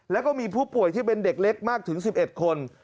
แล้วก็มีผู้ป่วยที่เป็นเด็กเล็กมากถึง๑๑คน